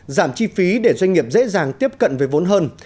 giảm chi phí để doanh nghiệp dễ dàng tiếp cận với vốn hơn